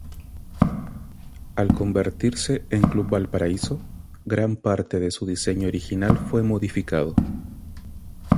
Al convertirse en Club Valparaíso, gran parte de su diseño original fue modificado.